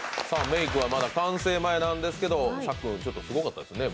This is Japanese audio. メークはまだ完成前なんですけど、さっくん、すごかったですね。